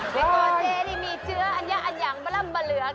เพราะเจ๊นี่มีเชื้ออันยังประลำเบลือก